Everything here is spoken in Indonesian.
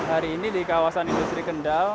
hari ini di kawasan industri kendal